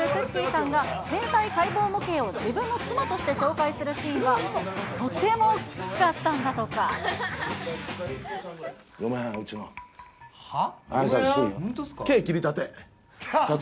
さんが、人体解剖模型を自分の妻として紹介するシーンは、とてもきつかっごめん、うちの。は？